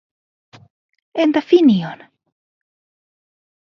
Entä Finian?